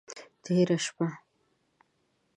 تیره شپه…